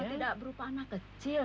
tidak berupa anak kecil